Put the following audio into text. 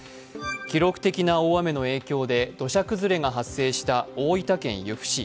記録的な大雨の影響で土砂崩れが発生した大分県由布市。